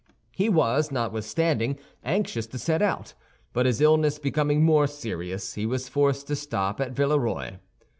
He was, notwithstanding, anxious to set out; but his illness becoming more serious, he was forced to stop at Villeroy.